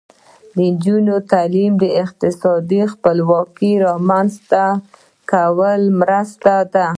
د نجونو تعلیم د اقتصادي خپلواکۍ رامنځته کولو مرسته ده.